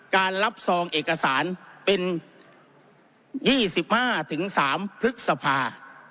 การรับซองเอกสารเป็น๒๕๓พฤษภา